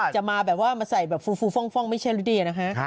จะมาแบบว่ามาใส่แบบฟูฟ่องไม่ใช่ลิเดียนะฮะ